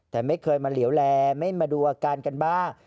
แต่ไม่เคยมาเหลวแลไม่มาดูอาการกันบ้าง